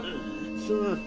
すまん。